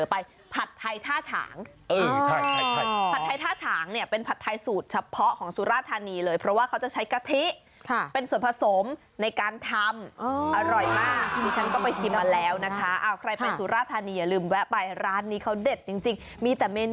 พิซซ่าไข่เค็ม